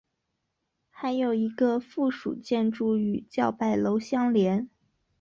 还有一个附属建筑与叫拜楼相连。